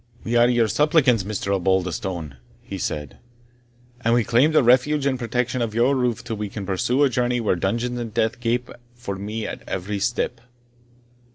"We are your suppliants, Mr. Osbaldistone," he said, "and we claim the refuge and protection of your roof till we can pursue a journey where dungeons and death gape for me at every step."